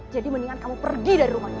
jadi mendingan kamu pergi dari rumahnya